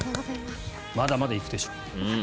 まだまだ行くでしょう。